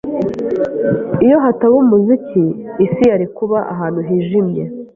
Iyo hataba umuziki, isi yari kuba ahantu hijimye.